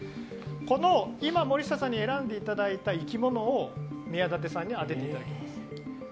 この今、森下さんに選んでいただいた生き物を宮舘さんに当てていただきます。